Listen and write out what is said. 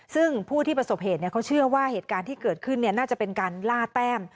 ซึ่งผู้ที่ประสบเหตุเขาเชื่อว่าเหตุการณ์ที่เกิดขึ้นน่าจะเป็นการล่าแต้ม